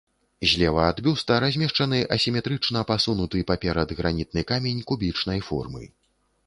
Злева ад бюста размешчаны асіметрычна пасунуты паперад гранітны камень кубічнай формы.